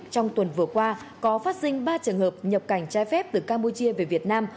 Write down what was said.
trong tuần vừa qua có phát sinh ba trường hợp nhập cảnh trái phép từ campuchia về việt nam